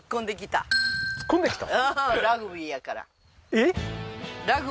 えっ？